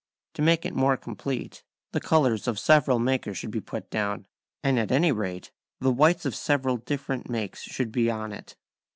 To make it more complete, the colours of several makers should be put down, and at any rate the whites of several different makes should be on it.